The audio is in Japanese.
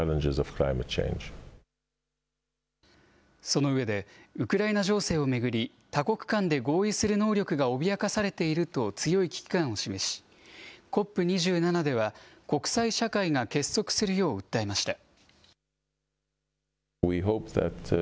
その上で、ウクライナ情勢を巡り、多国間で合意する能力が脅かされていると強い危機感を示し、ＣＯＰ２７では国際社会が結束するよう訴えました。